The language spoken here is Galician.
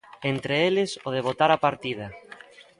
Entre eles, o de botar a partida.